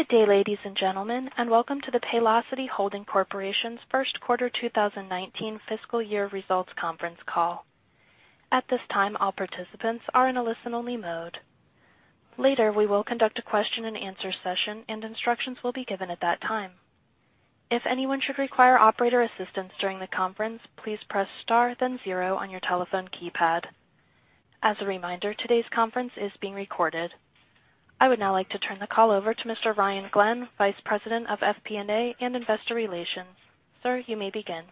Good day, ladies and gentlemen, and welcome to the Paylocity Holding Corporation's first quarter 2019 fiscal year results conference call. At this time, all participants are in a listen-only mode. Later, we will conduct a question and answer session, and instructions will be given at that time. If anyone should require operator assistance during the conference, please press star then zero on your telephone keypad. As a reminder, today's conference is being recorded. I would now like to turn the call over to Mr. Ryan Glenn, Vice President of FP&A and Investor Relations. Sir, you may begin.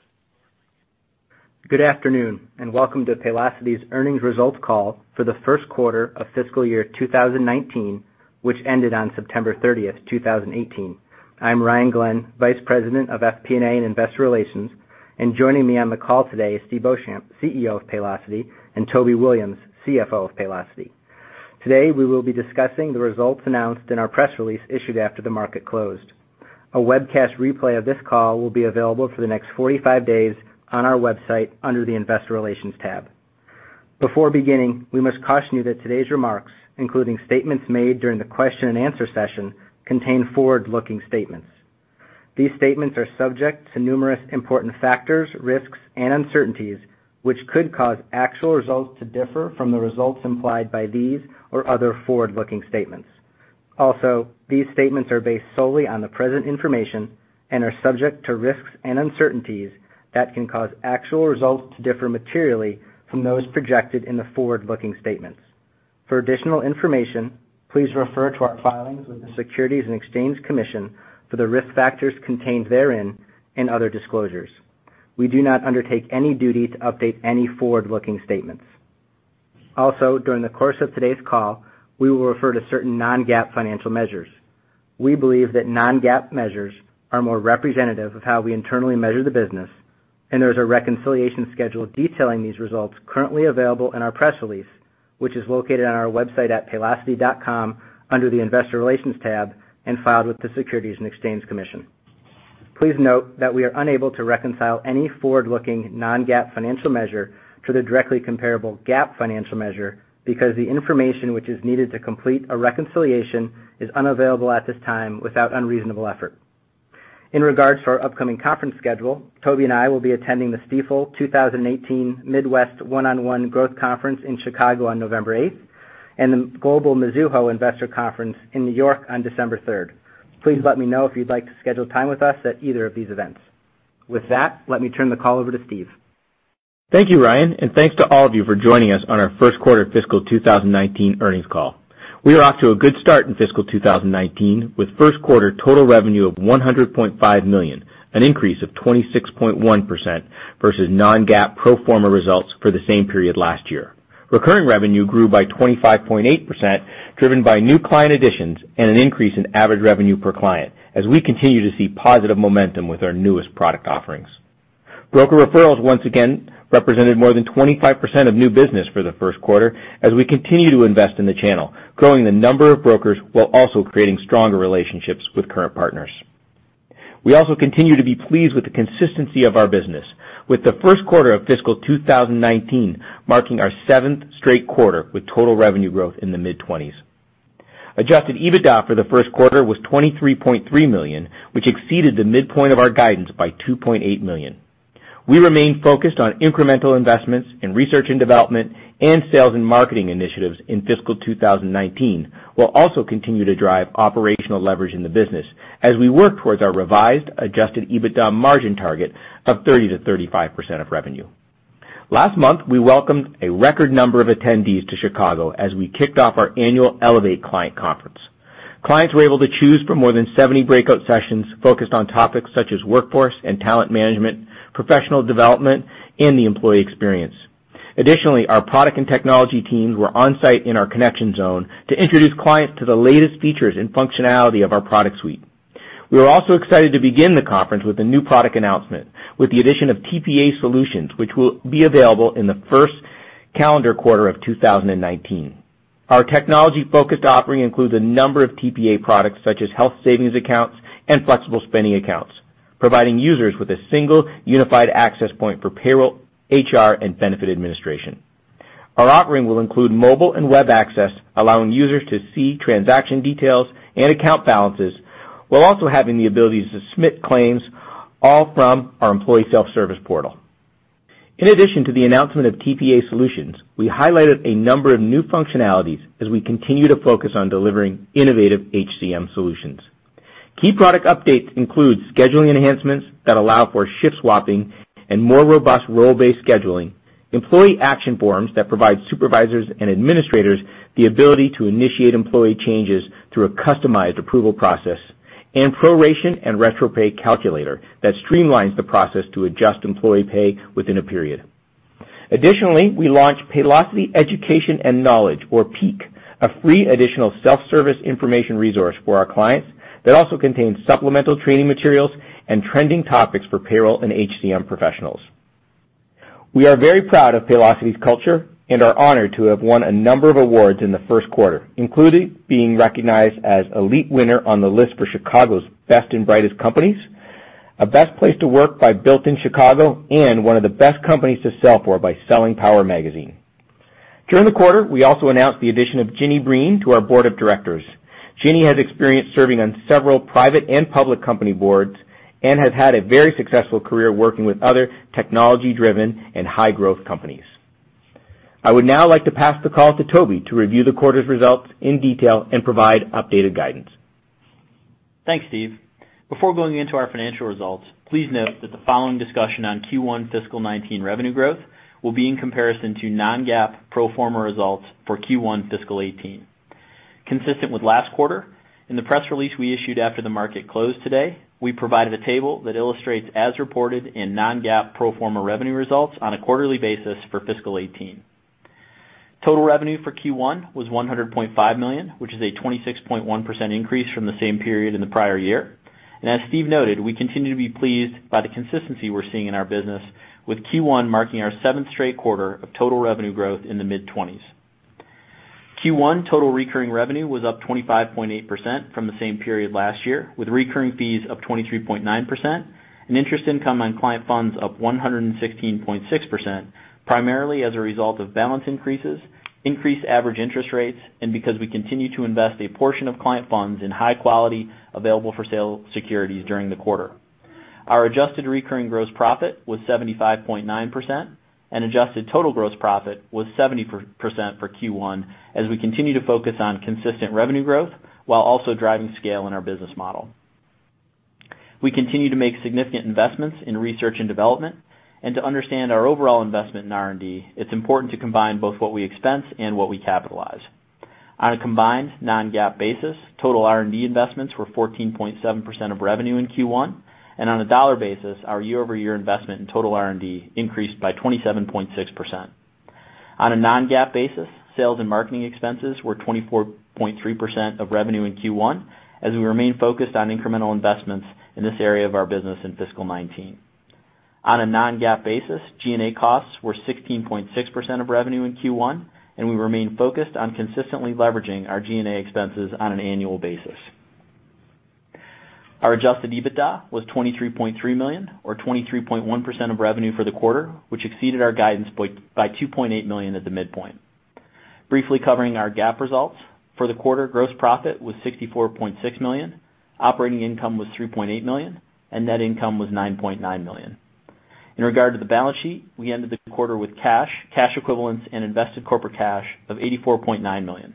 Good afternoon, and welcome to Paylocity's earnings results call for the first quarter of fiscal year 2019, which ended on September thirtieth, 2018. I'm Ryan Glenn, Vice President of FP&A and Investor Relations, and joining me on the call today is Steve Beauchamp, CEO of Paylocity, and Toby Williams, CFO of Paylocity. Today, we will be discussing the results announced in our press release issued after the market closed. A webcast replay of this call will be available for the next 45 days on our website under the investor relations tab. Before beginning, we must caution you that today's remarks, including statements made during the question and answer session, contain forward-looking statements. These statements are subject to numerous important factors, risks, and uncertainties, which could cause actual results to differ from the results implied by these or other forward-looking statements. Also, these statements are based solely on the present information and are subject to risks and uncertainties that can cause actual results to differ materially from those projected in the forward-looking statements. For additional information, please refer to our filings with the Securities and Exchange Commission for the risk factors contained therein and other disclosures. We do not undertake any duty to update any forward-looking statements. Also, during the course of today's call, we will refer to certain non-GAAP financial measures. We believe that non-GAAP measures are more representative of how we internally measure the business, and there's a reconciliation schedule detailing these results currently available in our press release, which is located on our website at paylocity.com under the investor relations tab and filed with the Securities and Exchange Commission. Please note that we are unable to reconcile any forward-looking non-GAAP financial measure to the directly comparable GAAP financial measure because the information which is needed to complete a reconciliation is unavailable at this time without unreasonable effort. In regards to our upcoming conference schedule, Toby and I will be attending the Stifel 2018 Midwest One-on-One Growth Conference in Chicago on November eighth, and the Global Mizuho Investor Conference in New York on December third. Please let me know if you'd like to schedule time with us at either of these events. With that, let me turn the call over to Steve. Thank you, Ryan, and thanks to all of you for joining us on our first quarter fiscal 2019 earnings call. We are off to a good start in fiscal 2019 with first quarter total revenue of $100.5 million, an increase of 26.1% versus non-GAAP pro forma results for the same period last year. Recurring revenue grew by 25.8%, driven by new client additions and an increase in average revenue per client as we continue to see positive momentum with our newest product offerings. Broker referrals once again represented more than 25% of new business for the first quarter as we continue to invest in the channel, growing the number of brokers while also creating stronger relationships with current partners. We also continue to be pleased with the consistency of our business. With the first quarter of fiscal 2019 marking our seventh straight quarter with total revenue growth in the mid-20s. Adjusted EBITDA for the first quarter was $23.3 million, which exceeded the midpoint of our guidance by $2.8 million. We remain focused on incremental investments in research and development and sales and marketing initiatives in fiscal 2019. We'll also continue to drive operational leverage in the business as we work towards our revised adjusted EBITDA margin target of 30%-35% of revenue. Last month, we welcomed a record number of attendees to Chicago as we kicked off our annual Elevate client conference. Clients were able to choose from more than 70 breakout sessions focused on topics such as workforce and talent management, professional development, and the employee experience. Additionally, our product and technology teams were on-site in our connection zone to introduce clients to the latest features and functionality of our product suite. We were also excited to begin the conference with a new product announcement with the addition of TPA Solutions, which will be available in the first calendar quarter of 2019. Our technology-focused offering includes a number of TPA products such as health savings accounts and flexible spending accounts, providing users with a single unified access point for payroll, HR, and benefit administration. Our offering will include mobile and web access, allowing users to see transaction details and account balances, while also having the ability to submit claims all from our employee self-service portal. In addition to the announcement of TPA Solutions, we highlighted a number of new functionalities as we continue to focus on delivering innovative HCM solutions. Key product updates include scheduling enhancements that allow for shift swapping and more robust role-based scheduling, employee action forms that provide supervisors and administrators the ability to initiate employee changes through a customized approval process, and proration and retro pay calculator that streamlines the process to adjust employee pay within a period. Additionally, we launched Paylocity Education and Knowledge, or PEAK, a free additional self-service information resource for our clients that also contains supplemental training materials and trending topics for payroll and HCM professionals. We are very proud of Paylocity's culture and are honored to have won a number of awards in the first quarter, including being recognized as Elite Winner on the list for Chicago's Best and Brightest Companies, a best place to work by Built In Chicago, and one of the best companies to sell for by Selling Power Magazine. During the quarter, we also announced the addition of Ginny Breen to our board of directors. Ginny has experience serving on several private and public company boards and has had a very successful career working with other technology-driven and high-growth companies. I would now like to pass the call to Toby to review the quarter's results in detail and provide updated guidance. Thanks, Steve. Before going into our financial results, please note that the following discussion on Q1 fiscal 2019 revenue growth will be in comparison to non-GAAP pro forma results for Q1 fiscal 2018. Consistent with last quarter, in the press release we issued after the market closed today, we provided a table that illustrates as reported in non-GAAP pro forma revenue results on a quarterly basis for fiscal 2018. Total revenue for Q1 was $100.5 million, which is a 26.1% increase from the same period in the prior year. As Steve noted, we continue to be pleased by the consistency we're seeing in our business, with Q1 marking our seventh straight quarter of total revenue growth in the mid-20s. Q1 total recurring revenue was up 25.8% from the same period last year, with recurring fees up 23.9% and interest income on client funds up 116.6%, primarily as a result of balance increases, increased average interest rates, and because we continue to invest a portion of client funds in high-quality available-for-sale securities during the quarter. Our adjusted recurring gross profit was 75.9%, and adjusted total gross profit was 70% for Q1, as we continue to focus on consistent revenue growth while also driving scale in our business model. We continue to make significant investments in research and development. To understand our overall investment in R&D, it's important to combine both what we expense and what we capitalize. On a combined non-GAAP basis, total R&D investments were 14.7% of revenue in Q1. On a dollar basis, our year-over-year investment in total R&D increased by 27.6%. On a non-GAAP basis, sales and marketing expenses were 24.3% of revenue in Q1, as we remain focused on incremental investments in this area of our business in fiscal 2019. On a non-GAAP basis, G&A costs were 16.6% of revenue in Q1. We remain focused on consistently leveraging our G&A expenses on an annual basis. Our adjusted EBITDA was $23.3 million, or 23.1% of revenue for the quarter, which exceeded our guidance by $2.8 million at the midpoint. Briefly covering our GAAP results. For the quarter, gross profit was $64.6 million, operating income was $3.8 million, and net income was $9.9 million. In regard to the balance sheet, we ended the quarter with cash equivalents and invested corporate cash of $84.9 million.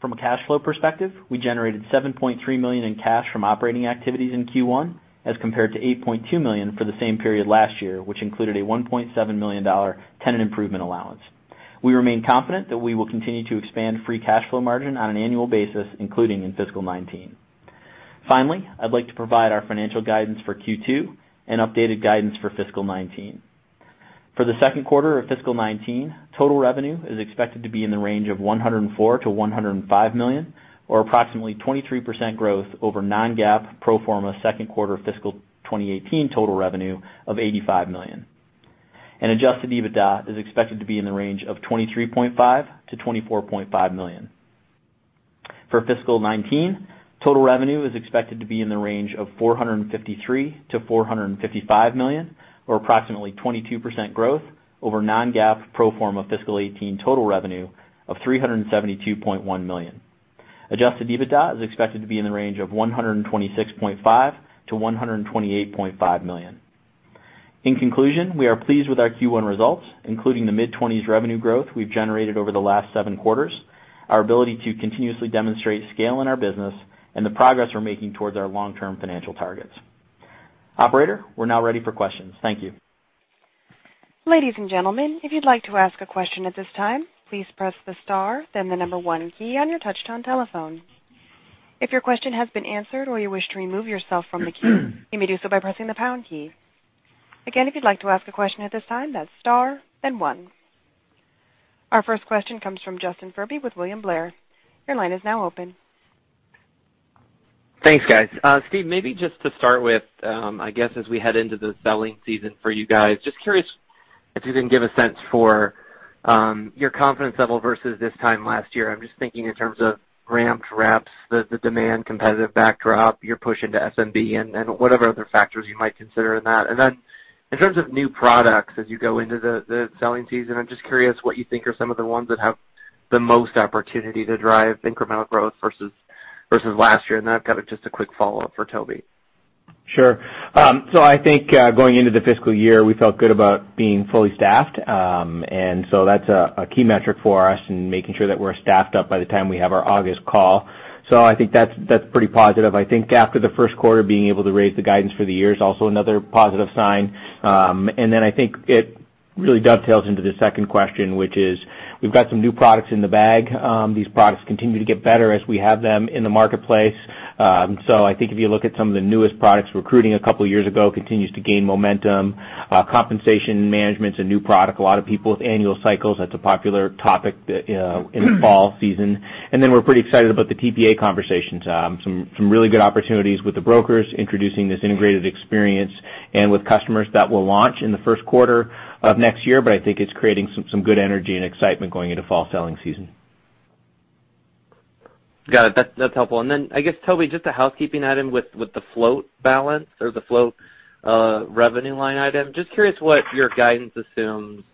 From a cash flow perspective, we generated $7.3 million in cash from operating activities in Q1 as compared to $8.2 million for the same period last year, which included a $1.7 million tenant improvement allowance. We remain confident that we will continue to expand free cash flow margin on an annual basis, including in fiscal 2019. Finally, I'd like to provide our financial guidance for Q2 and updated guidance for fiscal 2019. For the second quarter of fiscal 2019, total revenue is expected to be in the range of $104 million-$105 million, or approximately 23% growth over non-GAAP pro forma second quarter fiscal 2018 total revenue of $85 million. Adjusted EBITDA is expected to be in the range of $23.5 million-$24.5 million. For fiscal 2019, total revenue is expected to be in the range of $453 million-$455 million, or approximately 22% growth over non-GAAP pro forma fiscal 2018 total revenue of $372.1 million. Adjusted EBITDA is expected to be in the range of $126.5 million-$128.5 million. In conclusion, we are pleased with our Q1 results, including the mid-20s revenue growth we've generated over the last seven quarters, our ability to continuously demonstrate scale in our business, and the progress we're making towards our long-term financial targets. Operator, we're now ready for questions. Thank you. Ladies and gentlemen, if you'd like to ask a question at this time, please press the star then the number one key on your touchtone telephone. If your question has been answered or you wish to remove yourself from the queue, you may do so by pressing the pound key. Again, if you'd like to ask a question at this time, that's star and one. Our first question comes from Justin Furby with William Blair. Your line is now open. Thanks, guys. Steve, maybe just to start with, I guess as we head into the selling season for you guys, just curious if you can give a sense for your confidence level versus this time last year. I'm just thinking in terms of ramped reps, the demand competitive backdrop, your push into SMB, and whatever other factors you might consider in that. Then in terms of new products as you go into the selling season, I'm just curious what you think are some of the ones that have the most opportunity to drive incremental growth versus last year. Then I've got just a quick follow-up for Toby. I think going into the fiscal year, we felt good about being fully staffed. That's a key metric for us in making sure that we're staffed up by the time we have our August call. I think that's pretty positive. I think after the first quarter, being able to raise the guidance for the year is also another positive sign. I think it really dovetails into the second question, which is we've got some new products in the bag. These products continue to get better as we have them in the marketplace. I think if you look at some of the newest products, recruiting a couple of years ago continues to gain momentum. Compensation management's a new product. A lot of people with annual cycles, that's a popular topic in the fall season. I think we're pretty excited about the TPA conversations. Some really good opportunities with the brokers introducing this integrated experience and with customers that will launch in the first quarter of next year, I think it's creating some good energy and excitement going into fall selling season. Got it. That's helpful. I guess, Toby, just a housekeeping item with the float balance or the float revenue line item. Just curious what your guidance assumes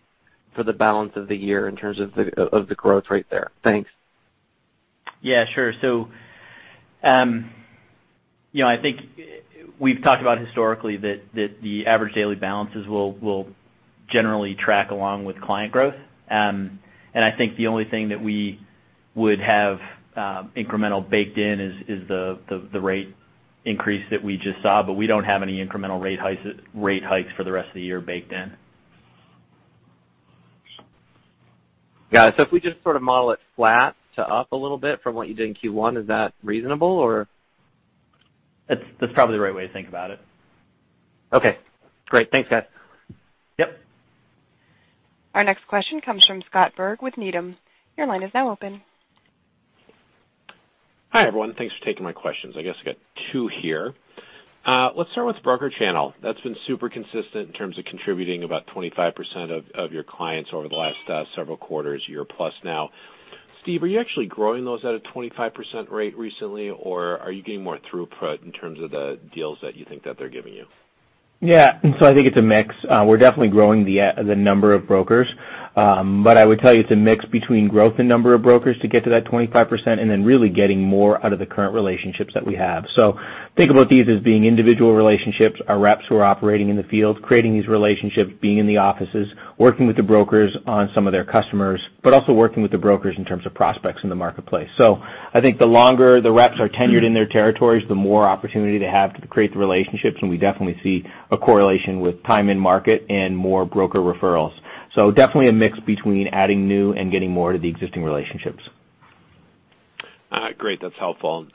for the balance of the year in terms of the growth rate there. Thanks. Yeah, sure. I think we've talked about historically that the average daily balances will generally track along with client growth. I think the only thing that we would have incremental baked in is the rate increase that we just saw, we don't have any incremental rate hikes for the rest of the year baked in. Got it. If we just sort of model it flat to up a little bit from what you did in Q1, is that reasonable, or? That's probably the right way to think about it. Okay, great. Thanks, guys. Yep. Our next question comes from Scott Berg with Needham. Your line is now open. Hi, everyone. Thanks for taking my questions. I guess I got two here. Let's start with broker channel. That's been super consistent in terms of contributing about 25% of your clients over the last several quarters, year plus now. Steve, are you actually growing those at a 25% rate recently, or are you getting more throughput in terms of the deals that you think that they're giving you? Yeah. I think it's a mix. We're definitely growing the number of brokers. I would tell you it's a mix between growth and number of brokers to get to that 25% and then really getting more out of the current relationships that we have. Think about these as being individual relationships. Our reps who are operating in the field, creating these relationships, being in the offices, working with the brokers on some of their customers, but also working with the brokers in terms of prospects in the marketplace. I think the longer the reps are tenured in their territories, the more opportunity they have to create the relationships, and we definitely see a correlation with time in market and more broker referrals. Definitely a mix between adding new and getting more to the existing relationships. Great. That's helpful.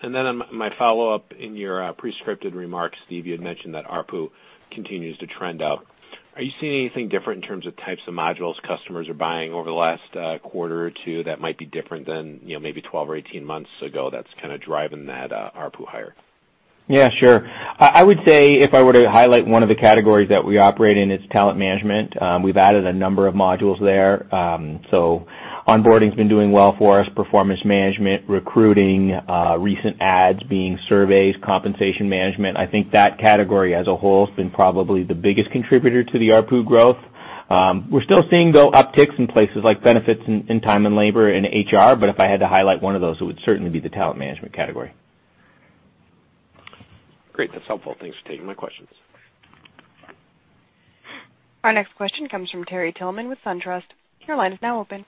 My follow-up, in your pre-scripted remarks, Steve, you had mentioned that ARPU continues to trend up. Are you seeing anything different in terms of types of modules customers are buying over the last quarter or two that might be different than maybe 12 or 18 months ago that's driving that ARPU higher? Yeah, sure. I would say if I were to highlight one of the categories that we operate in, it's talent management. We've added a number of modules there. Onboarding's been doing well for us, performance management, recruiting, recent ads being surveys, compensation management. I think that category as a whole has been probably the biggest contributor to the ARPU growth. We're still seeing, though, upticks in places like benefits in time and labor and HR, but if I had to highlight one of those, it would certainly be the talent management category. Great. That's helpful. Thanks for taking my questions. Our next question comes from Terry Tillman with SunTrust. Your line is now open.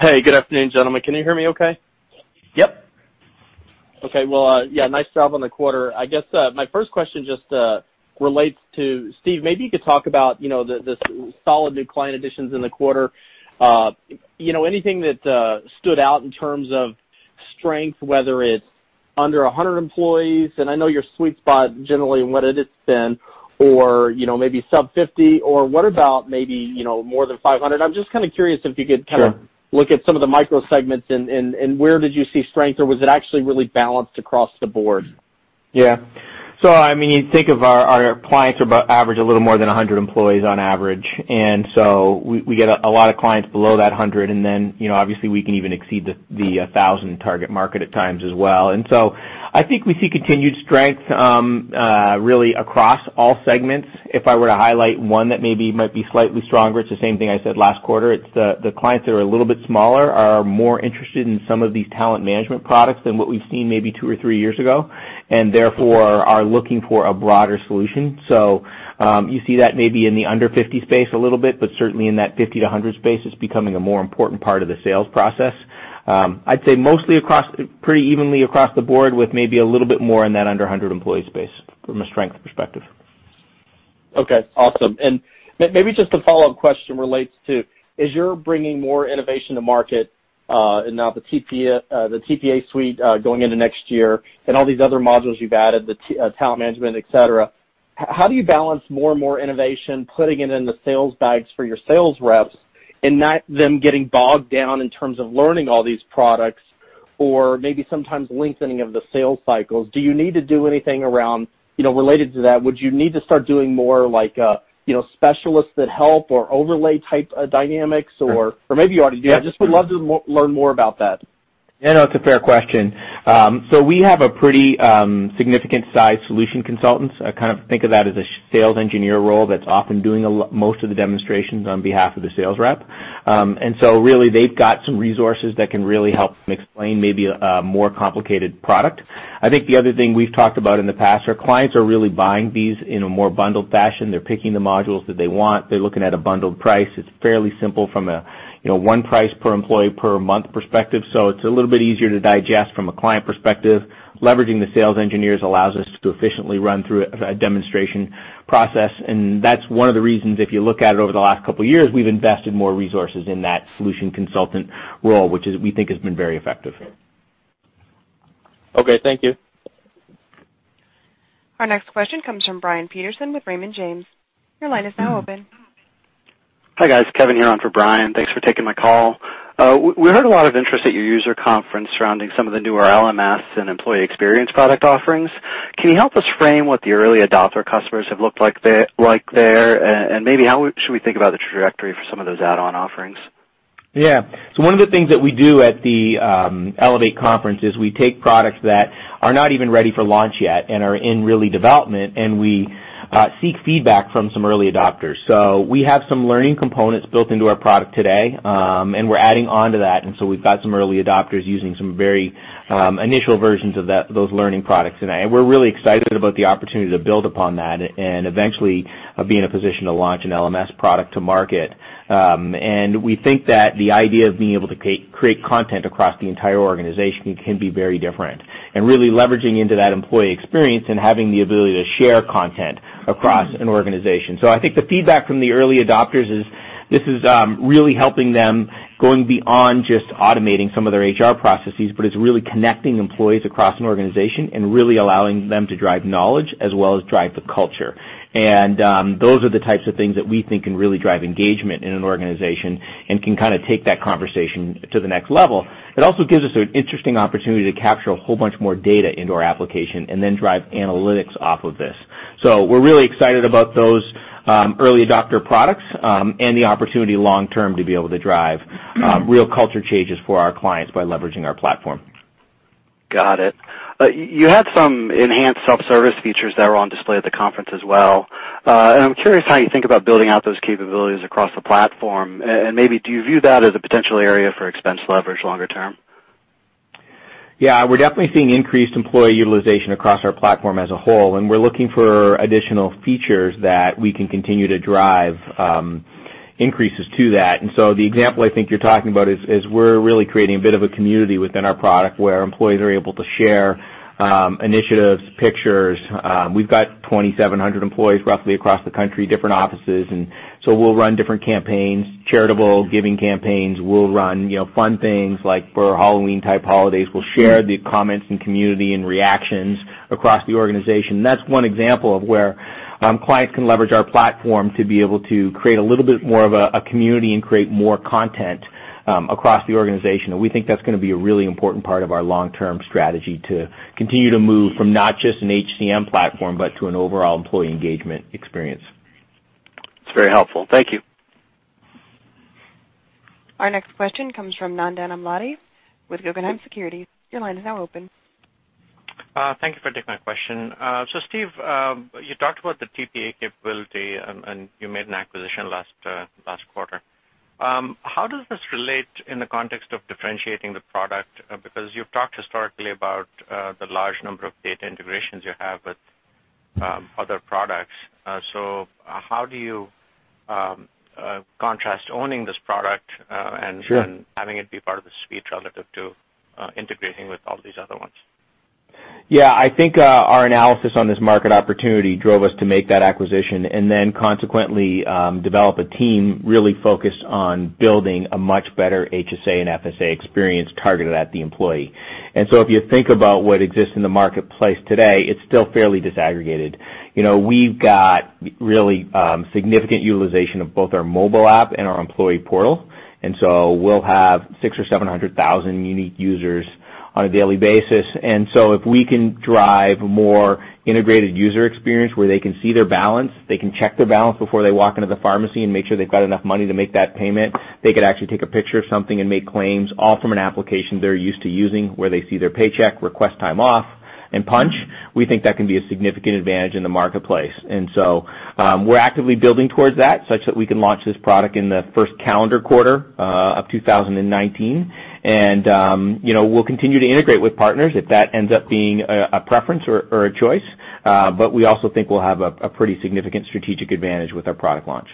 Hey, good afternoon, gentlemen. Can you hear me okay? Yep. Okay. Well, yeah, nice job on the quarter. I guess my first question just relates to Steve, maybe you could talk about the solid new client additions in the quarter. Anything that stood out in terms of strength, whether it's under 100 employees, and I know your sweet spot, generally, what it has been, or maybe sub 50, or what about maybe more than 500? I'm just curious if you could. Sure Look at some of the micro segments and where did you see strength, or was it actually really balanced across the board? Yeah. I think our clients are about average, a little more than 100 employees on average, and so we get a lot of clients below that 100, and then obviously we can even exceed the 1,000 target market at times as well. I think we see continued strength really across all segments. If I were to highlight one that maybe might be slightly stronger, it's the same thing I said last quarter. It's the clients that are a little bit smaller are more interested in some of these talent management products than what we've seen maybe two or three years ago, and therefore are looking for a broader solution. You see that maybe in the under 50 space a little bit, but certainly in that 50 to 100 space, it's becoming a more important part of the sales process. I'd say mostly pretty evenly across the board with maybe a little bit more in that under 100 employee space from a strength perspective. Okay. Awesome. Maybe just a follow-up question relates to, as you're bringing more innovation to market, and now the TPA suite going into next year and all these other modules you've added, the talent management, et cetera, how do you balance more and more innovation, putting it in the sales bags for your sales reps and not them getting bogged down in terms of learning all these products or maybe sometimes lengthening of the sales cycles? Do you need to do anything around related to that? Would you need to start doing more specialists that help or overlay type dynamics? Maybe you already do. I just would love to learn more about that. We have a pretty significant size solution consultants. I think of that as a sales engineer role that's often doing most of the demonstrations on behalf of the sales rep. Really, they've got some resources that can really help them explain maybe a more complicated product. I think the other thing we've talked about in the past, our clients are really buying these in a more bundled fashion. They're picking the modules that they want. They're looking at a bundled price. It's fairly simple from a one price per employee per month perspective. It's a little bit easier to digest from a client perspective. Leveraging the sales engineers allows us to efficiently run through a demonstration process, and that's one of the reasons, if you look at it over the last couple of years, we've invested more resources in that solution consultant role, which we think has been very effective. Okay. Thank you. Our next question comes from Brian Peterson with Raymond James. Your line is now open. Hi, guys. Kevin here on for Brian. Thanks for taking my call. We heard a lot of interest at your user conference surrounding some of the newer LMS and employee experience product offerings. Can you help us frame what the early adopter customers have looked like there? Maybe how should we think about the trajectory for some of those add-on offerings? Yeah. One of the things that we do at the Elevate Conference is we take products that are not even ready for launch yet and are in really development, and we seek feedback from some early adopters. We have some learning components built into our product today, and we're adding onto that. We've got some early adopters using some very initial versions of those learning products today. We're really excited about the opportunity to build upon that and eventually, be in a position to launch an LMS product to market. We think that the idea of being able to create content across the entire organization can be very different, and really leveraging into that employee experience and having the ability to share content across an organization. I think the feedback from the early adopters is, this is really helping them going beyond just automating some of their HR processes, but it's really connecting employees across an organization and really allowing them to drive knowledge as well as drive the culture. Those are the types of things that we think can really drive engagement in an organization and can take that conversation to the next level. It also gives us an interesting opportunity to capture a whole bunch more data into our application and then drive analytics off of this. We're really excited about those early adopter products, and the opportunity long-term to be able to drive real culture changes for our clients by leveraging our platform. Got it. You had some enhanced self-service features that were on display at the conference as well. I'm curious how you think about building out those capabilities across the platform. Maybe do you view that as a potential area for expense leverage longer term? We're definitely seeing increased employee utilization across our platform as a whole, we're looking for additional features that we can continue to drive increases to that. The example I think you're talking about is we're really creating a bit of a community within our product where employees are able to share initiatives, pictures. We've got 2,700 employees roughly across the country, different offices. We'll run different campaigns, charitable giving campaigns. We'll run fun things like for Halloween type holidays. We'll share the comments and community and reactions across the organization. That's one example of where clients can leverage our platform to be able to create a little bit more of a community and create more content across the organization. We think that's going to be a really important part of our long-term strategy to continue to move from not just an HCM platform, but to an overall employee engagement experience. It's very helpful. Thank you. Our next question comes from Nandan Amladi with Guggenheim Securities. Your line is now open. Thank you for taking my question. Steve, you talked about the TPA capability, and you made an acquisition last quarter. How does this relate in the context of differentiating the product? You've talked historically about the large number of data integrations you have with other products. How do you contrast owning this product- Sure Having it be part of the suite relative to integrating with all these other ones? I think our analysis on this market opportunity drove us to make that acquisition and then consequently, develop a team really focused on building a much better HSA and FSA experience targeted at the employee. If you think about what exists in the marketplace today, it's still fairly disaggregated. We've got really significant utilization of both our mobile app and our employee portal. We'll have six or 700,000 unique users on a daily basis. If we can drive a more integrated user experience where they can see their balance, they can check their balance before they walk into the pharmacy and make sure they've got enough money to make that payment. They could actually take a picture of something and make claims, all from an application they're used to using, where they see their paycheck, request time off, and punch. We think that can be a significant advantage in the marketplace. We're actively building towards that such that we can launch this product in the first calendar quarter of 2019. We'll continue to integrate with partners if that ends up being a preference or a choice. We also think we'll have a pretty significant strategic advantage with our product launch.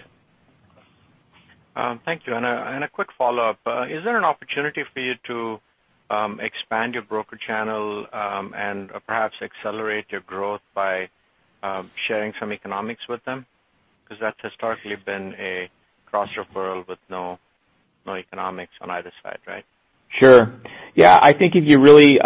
Thank you. A quick follow-up. Is there an opportunity for you to expand your broker channel, and perhaps accelerate your growth by sharing some economics with them? That's historically been a cross-referral with no economics on either side, right? Sure. Yeah, I think if you really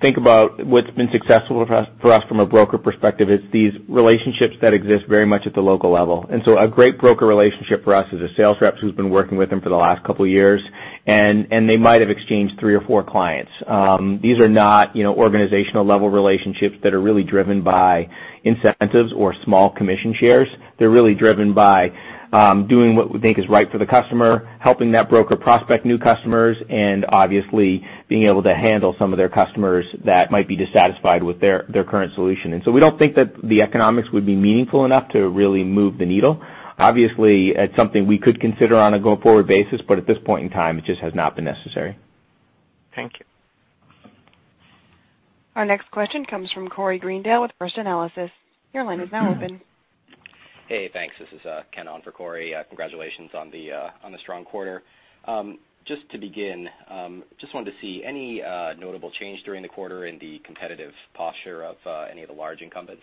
think about what's been successful for us from a broker perspective, it's these relationships that exist very much at the local level. A great broker relationship for us is a sales rep who's been working with them for the last couple of years, and they might have exchanged three or four clients. These are not organizational-level relationships that are really driven by incentives or small commission shares. They're really driven by doing what we think is right for the customer, helping that broker prospect new customers, and obviously being able to handle some of their customers that might be dissatisfied with their current solution. We don't think that the economics would be meaningful enough to really move the needle. Obviously, it's something we could consider on a going-forward basis, but at this point in time, it just has not been necessary. Thank you. Our next question comes from Corey Greendale with First Analysis. Your line is now open. Hey, thanks. This is Ken on for Corey. Congratulations on the strong quarter. Just to begin, just wanted to see any notable change during the quarter in the competitive posture of any of the large incumbents?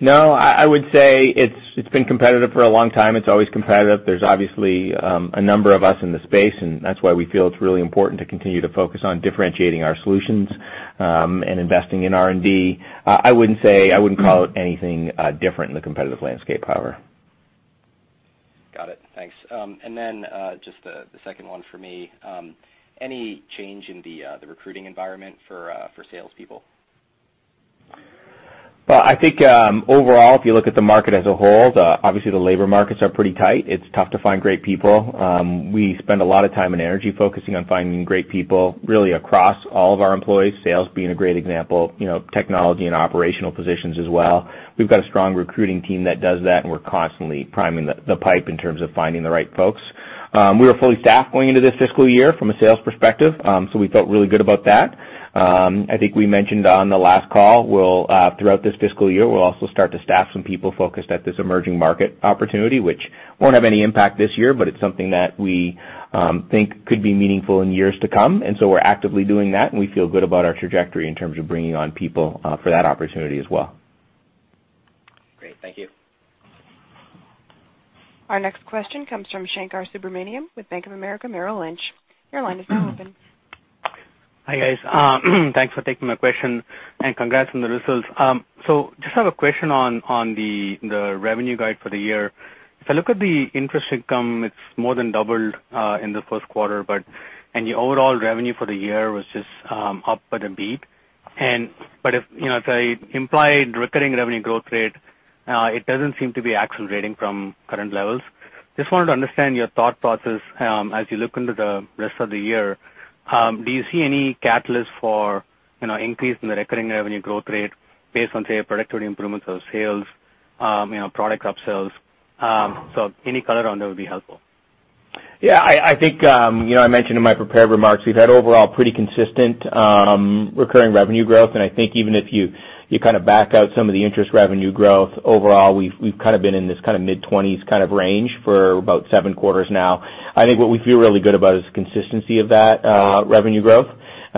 No, I would say it's been competitive for a long time. It's always competitive. There's obviously a number of us in the space, and that's why we feel it's really important to continue to focus on differentiating our solutions, and investing in R&D. I wouldn't call it anything different in the competitive landscape, however. Got it. Thanks. Just the second one for me, any change in the recruiting environment for salespeople? Well, I think overall, if you look at the market as a whole, obviously the labor markets are pretty tight. It's tough to find great people. We spend a lot of time and energy focusing on finding great people, really across all of our employees, sales being a great example, technology and operational positions as well. We've got a strong recruiting team that does that, and we're constantly priming the pipe in terms of finding the right folks. We were fully staffed going into this fiscal year from a sales perspective, so we felt really good about that. I think we mentioned on the last call, throughout this fiscal year, we'll also start to staff some people focused at this emerging market opportunity, which won't have any impact this year, but it's something that we think could be meaningful in years to come. We're actively doing that, and we feel good about our trajectory in terms of bringing on people for that opportunity as well. Great. Thank you. Our next question comes from Shankar Subramanian with Bank of America Merrill Lynch. Your line is now open. Hi, guys. Thanks for taking my question and congrats on the results. Just have a question on the revenue guide for the year. If I look at the interest income, it's more than doubled in the first quarter. Your overall revenue for the year was just up but a beat. If I implied recurring revenue growth rate, it doesn't seem to be accelerating from current levels. Just wanted to understand your thought process as you look into the rest of the year. Do you see any catalyst for increase in the recurring revenue growth rate based on, say, productivity improvements or sales, product upsells? Any color on that would be helpful. Yeah, I think I mentioned in my prepared remarks, we've had overall pretty consistent recurring revenue growth, and I think even if you back out some of the interest revenue growth overall, we've been in this mid-20s range for about seven quarters now. I think what we feel really good about is the consistency of that revenue growth.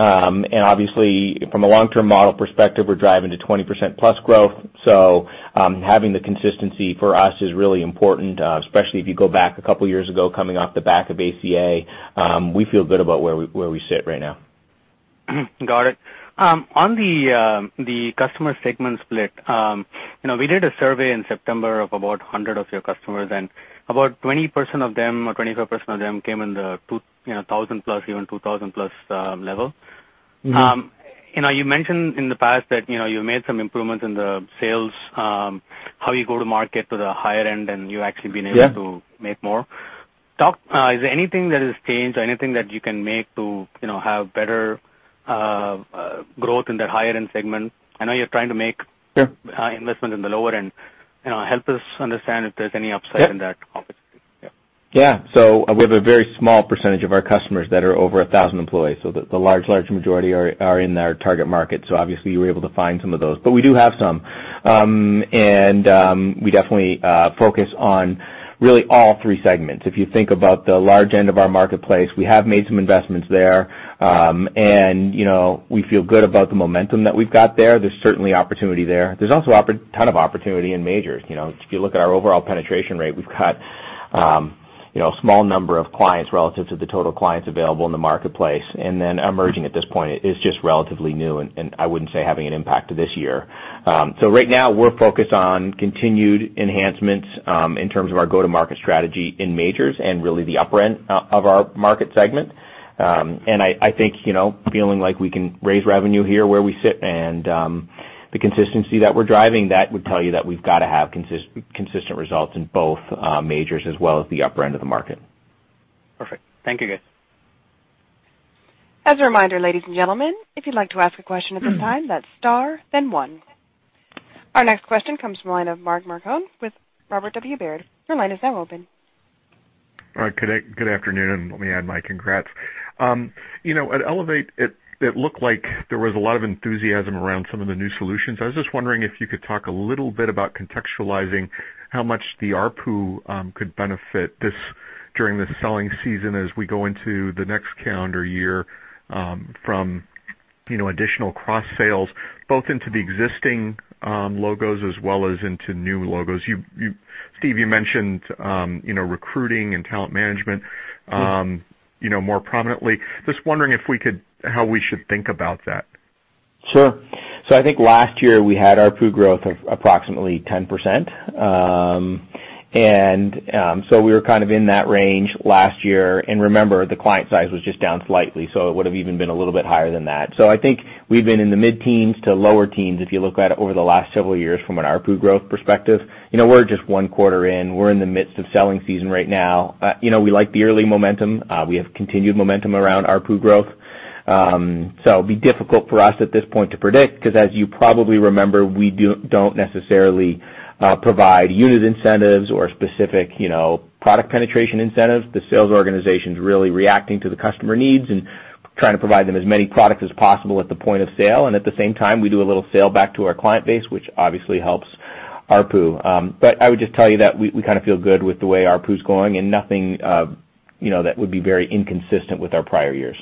Obviously from a long-term model perspective, we're driving to 20%+ growth. Having the consistency for us is really important, especially if you go back a couple of years ago, coming off the back of ACA. We feel good about where we sit right now. Got it. On the customer segment split, we did a survey in September of about 100 of your customers, and about 20% of them, or 25% of them came in the 1,000+, even 2,000+ level. You mentioned in the past that you made some improvements in the sales, how you go to market to the higher end, and you actually been able. Yeah to make more. Is there anything that has changed or anything that you can make to have better growth in that higher end segment? I know you're trying to make. Sure investment in the lower end. Help us understand if there's any upside in that. Yeah. We have a very small percentage of our customers that are over 1,000 employees. The large majority are in our target market. Obviously you were able to find some of those, but we do have some. We definitely focus on really all three segments. If you think about the large end of our marketplace, we have made some investments there. We feel good about the momentum that we've got there. There's certainly opportunity there. There's also a ton of opportunity in majors. If you look at our overall penetration rate, we've got a small number of clients relative to the total clients available in the marketplace. Emerging at this point is just relatively new and I wouldn't say having an impact to this year. Right now we're focused on continued enhancements in terms of our go-to-market strategy in majors and really the upper end of our market segment. I think, feeling like we can raise revenue here where we sit and the consistency that we're driving, that would tell you that we've got to have consistent results in both majors as well as the upper end of the market. Perfect. Thank you, guys. As a reminder, ladies and gentlemen, if you'd like to ask a question at this time, that's star then one. Our next question comes from the line of Mark Marcon with Robert W. Baird. Your line is now open. All right. Good afternoon. Let me add my congrats. At Elevate, it looked like there was a lot of enthusiasm around some of the new solutions. I was just wondering if you could talk a little bit about contextualizing how much the ARPU could benefit during this selling season as we go into the next calendar year from additional cross sales, both into the existing logos as well as into new logos. Steve, you mentioned recruiting and talent management- Yeah More prominently. Just wondering how we should think about that. I think last year we had ARPU growth of approximately 10%. We were kind of in that range last year. Remember, the client size was just down slightly, so it would have even been a little bit higher than that. I think we've been in the mid-teens to lower teens if you look at it over the last several years from an ARPU growth perspective. We're just one quarter in. We're in the midst of selling season right now. We like the early momentum. We have continued momentum around ARPU growth. It'd be difficult for us at this point to predict, because as you probably remember, we don't necessarily provide unit incentives or specific product penetration incentives. The sales organization's really reacting to the customer needs and trying to provide them as many products as possible at the point of sale. At the same time, we do a little sell back to our client base, which obviously helps ARPU. I would just tell you that we feel good with the way ARPU's going and nothing that would be very inconsistent with our prior years.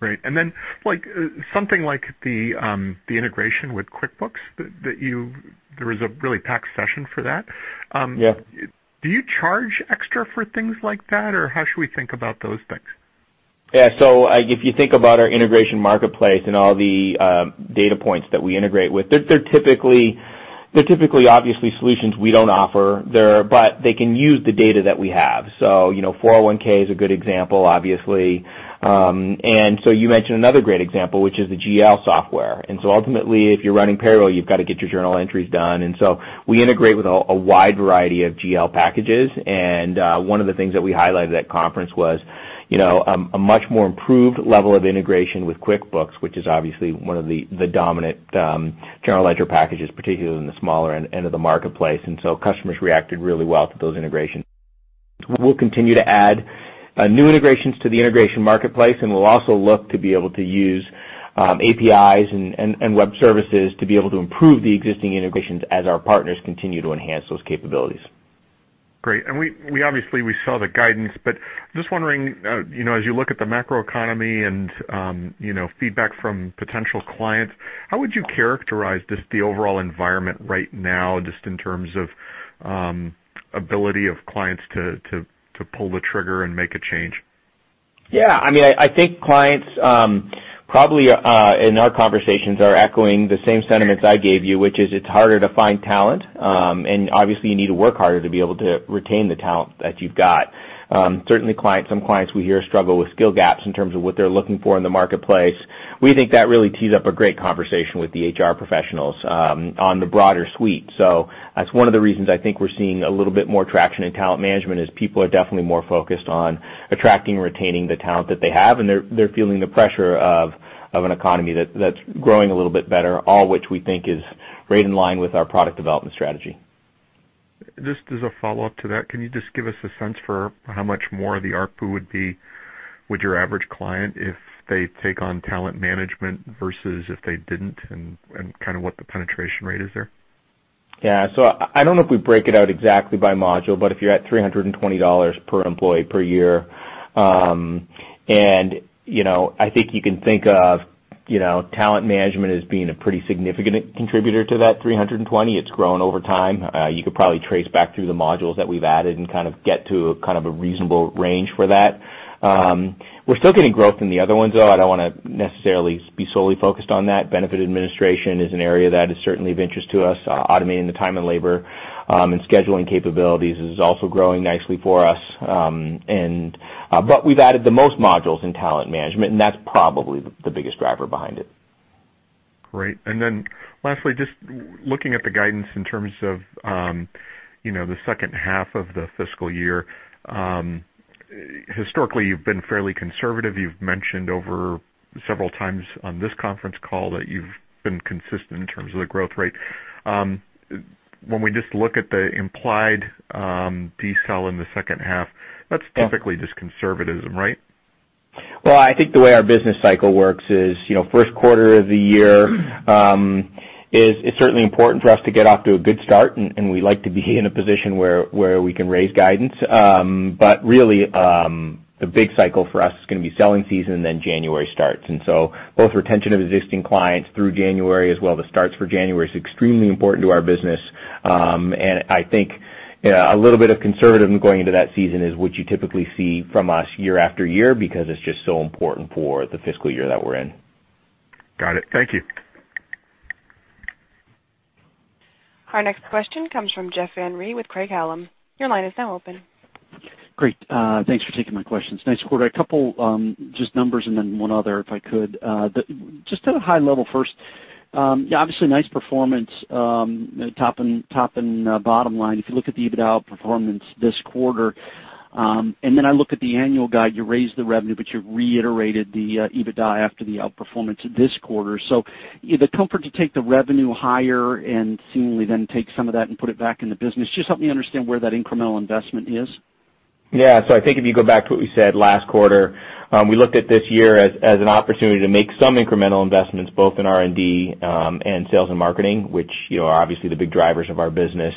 Great. Something like the integration with QuickBooks, there was a really packed session for that. Yeah. Do you charge extra for things like that, or how should we think about those things? If you think about our integration marketplace and all the data points that we integrate with, they're typically obviously solutions we don't offer, but they can use the data that we have. 401(k) is a good example, obviously. You mentioned another great example, which is the GL software. Ultimately, if you're running payroll, you've got to get your journal entries done. We integrate with a wide variety of GL packages. One of the things that we highlighted at conference was a much more improved level of integration with QuickBooks, which is obviously one of the dominant general ledger packages, particularly in the smaller end of the marketplace. Customers reacted really well to those integrations. We'll continue to add new integrations to the integration marketplace, and we'll also look to be able to use APIs and web services to be able to improve the existing integrations as our partners continue to enhance those capabilities. Great. Obviously, we saw the guidance, just wondering, as you look at the macroeconomy and feedback from potential clients, how would you characterize just the overall environment right now, just in terms of ability of clients to pull the trigger and make a change? I think clients, probably, in our conversations, are echoing the same sentiments I gave you, which is it's harder to find talent. Obviously you need to work harder to be able to retain the talent that you've got. Certainly, some clients we hear struggle with skill gaps in terms of what they're looking for in the marketplace. We think that really tees up a great conversation with the HR professionals on the broader suite. That's one of the reasons I think we're seeing a little bit more traction in talent management, is people are definitely more focused on attracting and retaining the talent that they have, and they're feeling the pressure of an economy that's growing a little bit better, all which we think is right in line with our product development strategy. Just as a follow-up to that, can you just give us a sense for how much more the ARPU would be with your average client if they take on talent management versus if they didn't, and what the penetration rate is there? Yeah. I don't know if we break it out exactly by module, but if you're at $320 per employee per year, and I think you can think of talent management as being a pretty significant contributor to that 320. It's grown over time. You could probably trace back through the modules that we've added and get to a reasonable range for that. We're still getting growth in the other ones, though. I don't want to necessarily be solely focused on that. Benefit administration is an area that is certainly of interest to us. Automating the time and labor, and scheduling capabilities is also growing nicely for us. We've added the most modules in talent management, and that's probably the biggest driver behind it. Great. Lastly, just looking at the guidance in terms of the second half of the fiscal year. Historically, you've been fairly conservative. You've mentioned over several times on this conference call that you've been consistent in terms of the growth rate. When we just look at the implied decel in the second half, that's typically just conservatism, right? Well, I think the way our business cycle works is, first quarter of the year, is certainly important for us to get off to a good start, and we like to be in a position where we can raise guidance. Really, the big cycle for us is going to be selling season, and then January starts. Both retention of existing clients through January as well, the starts for January is extremely important to our business. I think a little bit of conservatism going into that season is what you typically see from us year after year because it's just so important for the fiscal year that we're in. Got it. Thank you. Our next question comes from Jeff Van Riel with Craig-Hallum. Your line is now open. Great. Thanks for taking my questions. Nice quarter. A couple just numbers and then one other, if I could. Just at a high level first, obviously, nice performance, top and bottom line. If you look at the EBITDA outperformance this quarter, then I look at the annual guide, you raised the revenue, but you reiterated the EBITDA after the outperformance this quarter. The comfort to take the revenue higher and seemingly then take some of that and put it back in the business, just help me understand where that incremental investment is. Yeah. I think if you go back to what we said last quarter, we looked at this year as an opportunity to make some incremental investments, both in R&D, and sales and marketing, which are obviously the big drivers of our business.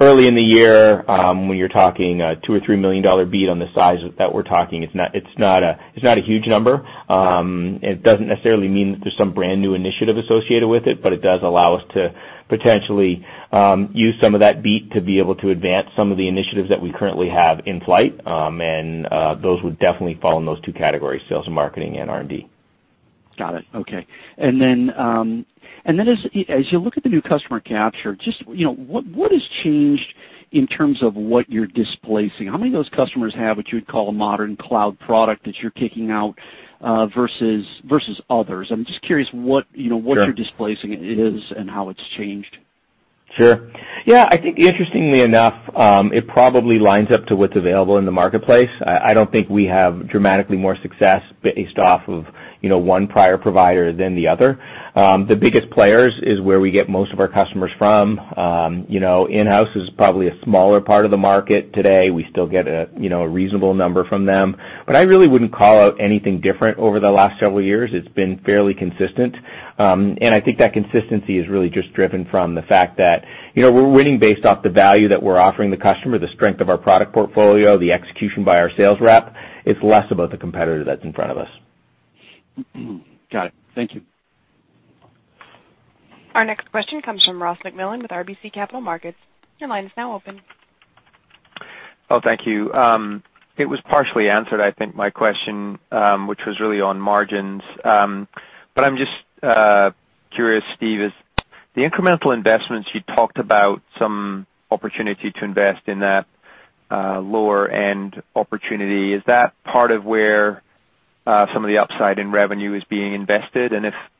Early in the year, when you're talking a $2 million or $3 million beat on the size that we're talking, it's not a huge number. It doesn't necessarily mean that there's some brand-new initiative associated with it, but it does allow us to potentially use some of that beat to be able to advance some of the initiatives that we currently have in flight. Those would definitely fall in those two categories, sales and marketing and R&D. Got it. Okay. As you look at the new customer capture, just what has changed in terms of what you're displacing? How many of those customers have what you would call a modern cloud product that you're kicking out versus others? I'm just curious. Sure What you're displacing is and how it's changed. Sure. Yeah, I think interestingly enough, it probably lines up to what's available in the marketplace. I don't think we have dramatically more success based off of one prior provider than the other. The biggest players is where we get most of our customers from. In-house is probably a smaller part of the market today. We still get a reasonable number from them. I really wouldn't call out anything different over the last several years. It's been fairly consistent. I think that consistency is really just driven from the fact that we're winning based off the value that we're offering the customer, the strength of our product portfolio, the execution by our sales rep. It's less about the competitor that's in front of us. Got it. Thank you. Our next question comes from Ross MacMillan with RBC Capital Markets. Your line is now open. Oh, thank you. It was partially answered, I think, my question, which was really on margins. I'm just curious, Steve, the incremental investments you talked about some opportunity to invest in that lower end opportunity. Is that part of where some of the upside in revenue is being invested?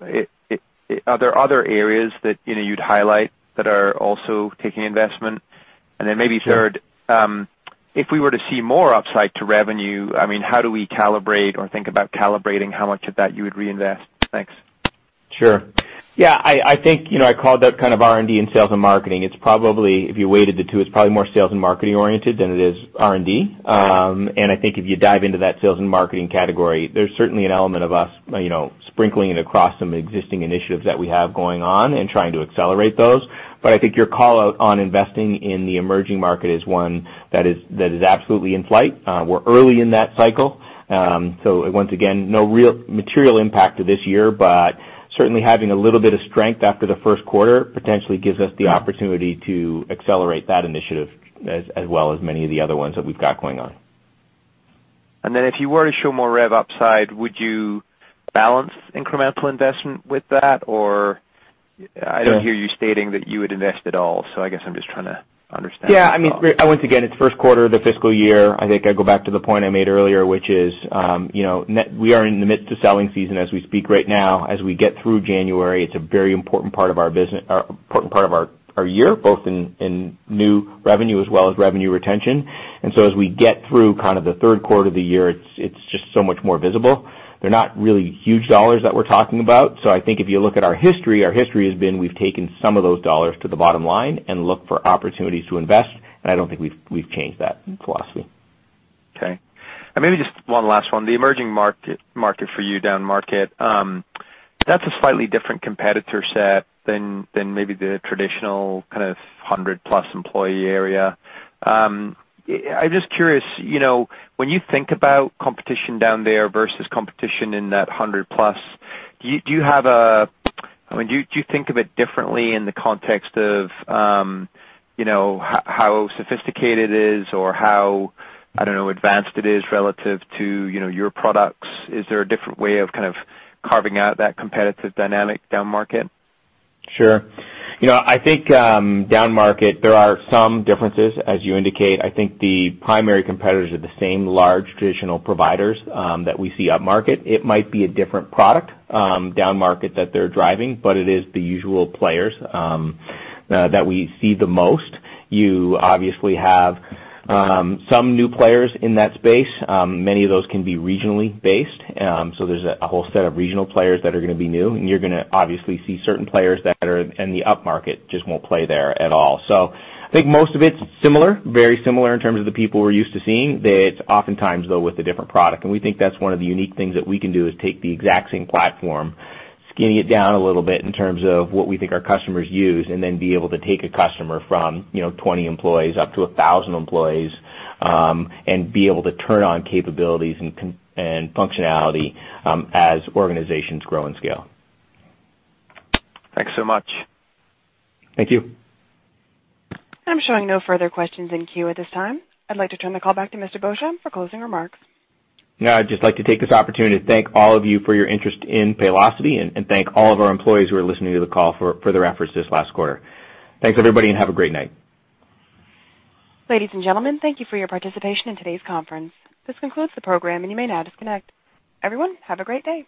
Are there other areas that you'd highlight that are also taking investment? Then maybe third, if we were to see more upside to revenue, how do we calibrate or think about calibrating how much of that you would reinvest? Thanks. Sure. Yeah, I think I called out R&D and sales and marketing. If you weighted the two, it's probably more sales and marketing oriented than it is R&D. I think if you dive into that sales and marketing category, there's certainly an element of us sprinkling it across some existing initiatives that we have going on and trying to accelerate those. I think your callout on investing in the emerging market is one that is absolutely in flight. We're early in that cycle. Once again, no real material impact to this year, but certainly having a little bit of strength after the first quarter potentially gives us the opportunity to accelerate that initiative as well as many of the other ones that we've got going on. Then if you were to show more rev upside, would you balance incremental investment with that? I don't hear you stating that you would invest at all, I guess I'm just trying to understand. Yeah, once again, it's first quarter of the fiscal year. I think I go back to the point I made earlier, which is we are in the midst of selling season as we speak right now. As we get through January, it's a very important part of our year, both in new revenue as well as revenue retention. As we get through the third quarter of the year, it's just so much more visible. They're not really huge dollars that we're talking about. I think if you look at our history, our history has been we've taken some of those dollars to the bottom line and looked for opportunities to invest, and I don't think we've changed that philosophy. Okay. Maybe just one last one. The emerging market for you, down market, that's a slightly different competitor set than maybe the traditional hundred-plus employee area. I'm just curious, when you think about competition down there versus competition in that hundred-plus, do you think of it differently in the context of how sophisticated it is or how advanced it is relative to your products? Is there a different way of carving out that competitive dynamic down market? Sure. I think down market, there are some differences, as you indicate. I think the primary competitors are the same large traditional providers that we see up market. It might be a different product down market that they're driving, but it is the usual players that we see the most. You obviously have some new players in that space. Many of those can be regionally based. There's a whole set of regional players that are going to be new, and you're going to obviously see certain players that are in the up market just won't play there at all. I think most of it's similar, very similar in terms of the people we're used to seeing, that it's oftentimes, though, with a different product. We think that's one of the unique things that we can do is take the exact same platform, skinny it down a little bit in terms of what we think our customers use, and then be able to take a customer from 20 employees up to 1,000 employees, and be able to turn on capabilities and functionality as organizations grow and scale. Thanks so much. Thank you. I'm showing no further questions in queue at this time. I'd like to turn the call back to Mr. Beauchamp for closing remarks. I'd just like to take this opportunity to thank all of you for your interest in Paylocity and thank all of our employees who are listening to the call for their efforts this last quarter. Thanks, everybody, and have a great night. Ladies and gentlemen, thank you for your participation in today's conference. This concludes the program, and you may now disconnect. Everyone, have a great day.